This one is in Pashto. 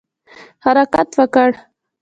حرکت وکړ.